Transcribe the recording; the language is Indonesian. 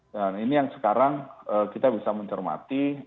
dan ini yang sekarang kita bisa mencermati